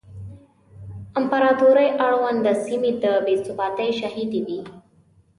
امپراتورۍ اړونده سیمې د بې ثباتۍ شاهدې وې